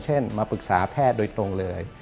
มาปรึกษาแพทย์โดยตรงเลย